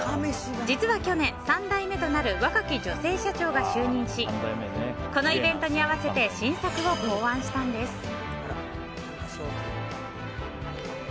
実は去年３代目となる若き女性社長が就任しこのイベントに合わせて新作を考案したんです。